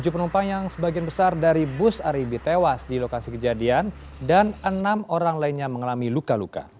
tujuh penumpang yang sebagian besar dari bus aribi tewas di lokasi kejadian dan enam orang lainnya mengalami luka luka